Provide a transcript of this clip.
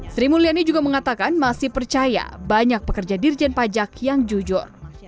sri mulyani juga mengatakan masih percaya banyak pekerja dirjen pajak yang jujur